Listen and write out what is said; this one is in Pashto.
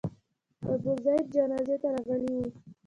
د ابوزید جنازې ته راغلي وو.